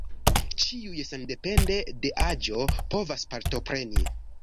Ĉiuj, sendepende de aĝo, povas partopreni.